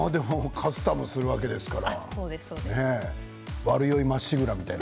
カスタムするわけですからね悪酔いまっしぐらみたいな。